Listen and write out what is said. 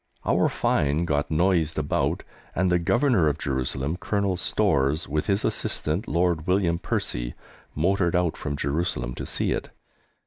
Our find got noised abroad, and the Governor of Jerusalem, Colonel Storrs, with his assistant, Lord William Percy, motored out from Jerusalem to see it.